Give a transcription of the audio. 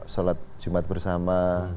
sholat jumat bersama